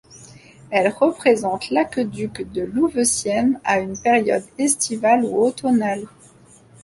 Elle représente l'aqueduc de Louveciennes à une période estivale ou automnale.